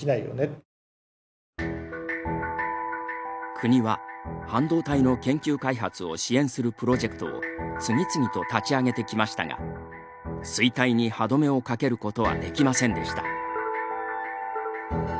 国は、半導体の研究開発を支援するプロジェクトを次々と立ち上げてきましたが衰退に歯止めをかけることはできませんでした。